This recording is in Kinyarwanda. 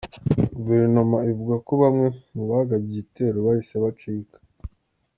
Guverinoma ivuga ko bamwe mu bagabye igitero bahise bacika.